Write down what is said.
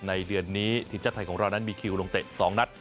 เดือนนี้ทีมชาติไทยของเรานั้นมีคิวลงเตะ๒นัด